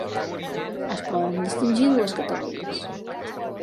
Es poden distingir dues categories.